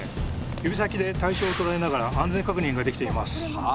指先で対象を捉えながら安全確認ができています。